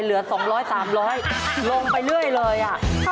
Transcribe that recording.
เหลือ๒๐๐๓๐๐ลงไปเรื่อยเลย